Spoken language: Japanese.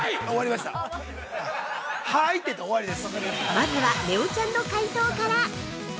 ◆まずは、ねおちゃんの解答から。